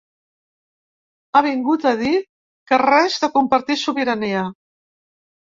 Ha vingut a dir que res de compartir sobirania.